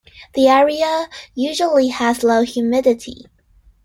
The area usually has low humidity.